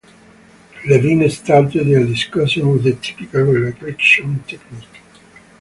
Levine started their discussion with the typical relaxation technique.